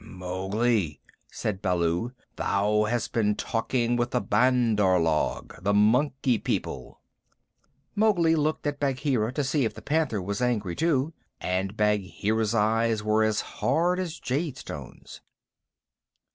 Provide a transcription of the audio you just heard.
"Mowgli," said Baloo, "thou hast been talking with the Bandar log the Monkey People." Mowgli looked at Bagheera to see if the Panther was angry too, and Bagheera's eyes were as hard as jade stones.